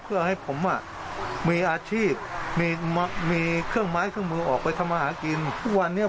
ไฟก็โดนตัดไปสองรอบแล้ว